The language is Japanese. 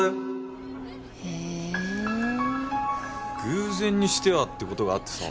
偶然にしてはってことがあってさ。